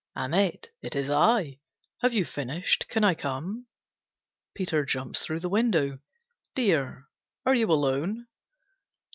"Annette, it is I. Have you finished? Can I come?" Peter jumps through the window. "Dear, are you alone?"